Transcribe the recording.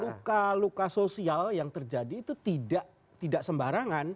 luka luka sosial yang terjadi itu tidak sembarangan